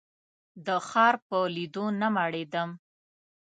د ښار په لیدو نه مړېدم.